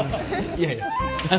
いやいや。